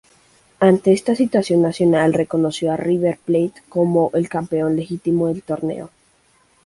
Ante esta situación, Nacional reconoció a River Plate como campeón legítimo del torneo.